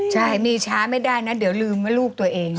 ใช่มีช้าไม่ได้นะเดี๋ยวลืมว่าลูกตัวเอง